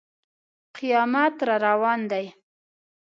قیامت را روان دی.